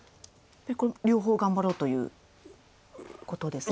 これ両方頑張ろうということですね。